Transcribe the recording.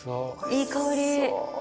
いい香り。